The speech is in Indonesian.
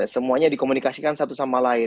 semuanya dikomunikasikan satu sama lain